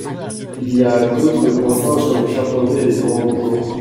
Il y a d'autres grands singes comme les chimpanzés et les orangs-outans.